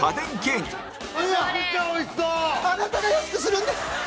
品川：あなたが安くするんです！